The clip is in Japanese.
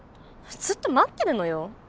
ずっと待ってるのよ